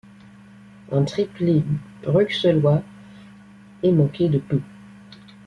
Un triplé bruxellois est manqué de peu.